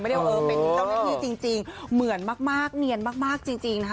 ไม่ได้ว่าเป็นพี่เจ้านักพี่จริงเหมือนมากเนียนมากจริงนะฮะ